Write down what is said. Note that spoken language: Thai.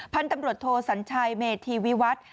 พันธุ์ตำรวจโทสัญชัยเมธีวิวัฒน์